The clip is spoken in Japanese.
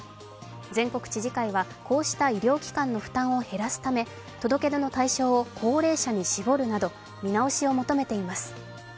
全国知事会はこうした医療機関の負担を減らすため届け出の対象を高齢者に絞るなど見直しを求めています。